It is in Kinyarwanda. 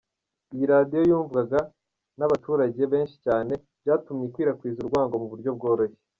Iyi Radio yumvwaga n’abaturage benshi cyane, byatumye ikwirakwiza urwango mu buryo bworoshye.